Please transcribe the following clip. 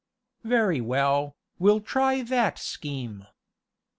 "Very well, we'll try that scheme."